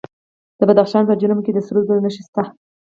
د بدخشان په جرم کې د سرو زرو نښې شته.